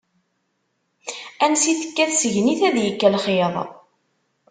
Ansi tekka tsegnit, ad ikk lxiḍ.